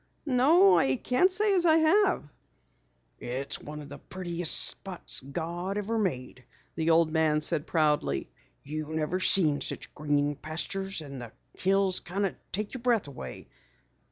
"No, I can't say I have." "It's one of the purtiest spots God ever made," the old man said proudly. "You never seen such green pastures, an' the hills kinda take your breath away.